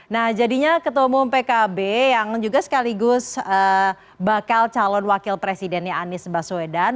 nah jadinya ketua umum pkb yang juga sekaligus bakal calon wakil presidennya anies baswedan